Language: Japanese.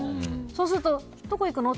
そうするとどこいくの？